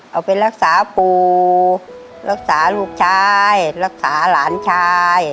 เอาไปรักษาปู่รักษาลูกชายรักษาหลานชาย